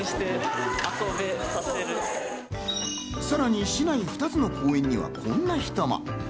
さらに市内２つの公園にはこんな人も。